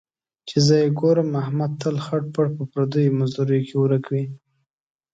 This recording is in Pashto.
چې زه یې ګورم، احمد تل خړ پړ په پردیو مزدوریو کې ورک وي.